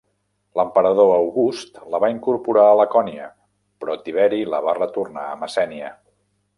L'emperador August la va incorporar a Lacònia, però Tiberi la va retornar a Messènia.